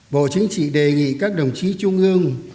bộ chính trị đề nghị các đồng chí trung ương